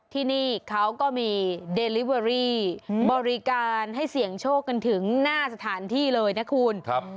ที่นี่เขาก็มีเดลิเวอรี่บริการให้เสี่ยงโชคกันถึงหน้าสถานที่เลยนะคุณ